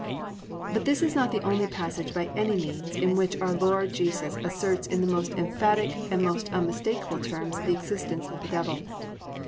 "+ But this is not the only passage by any means in which our Lord Jesus asserts in the most emphatic and most unmistakable terms the existence of the Devil.